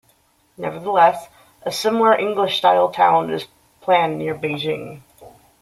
Nevertheless, a similar English-style town is planned near Beijing.